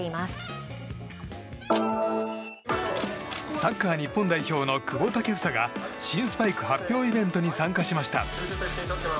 サッカー日本代表の久保建英が新スパイク発表イベントに参加しました。